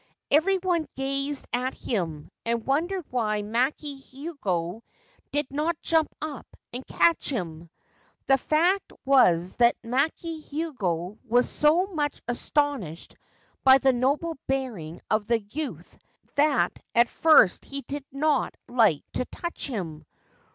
Every one gazed at him, and wondered why Maki Hiogo did not jump up and catch him. The fact was that Maki Hiogo was so much astonished by the noble bearing of the youth that at first he did not like to touch him.